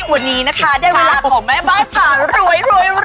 วันนี้นะคะได้เวลาของแม่บ้านผ่ารวย